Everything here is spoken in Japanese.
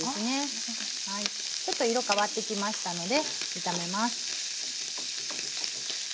ちょっと色変わってきましたので炒めます。